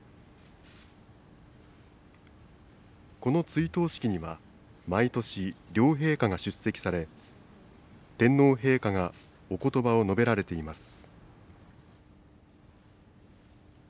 この追悼式には毎年両陛下が出席され天皇陛下がおことばを述べられています。